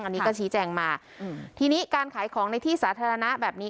อันนี้ก็ชี้แจงมาอืมทีนี้การขายของในที่สาธารณะแบบนี้